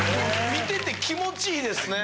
見てて気持ちいいですね。